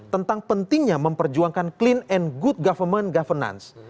tentang pentingnya memperjuangkan clean and good government governance